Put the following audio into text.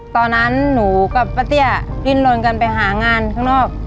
ตอนนั้นหนูกับป้าเตี้ยดิ้นลนกันไปหางานข้างนอก